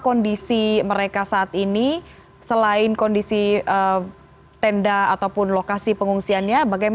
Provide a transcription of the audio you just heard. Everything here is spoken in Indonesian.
untuk para pengusaha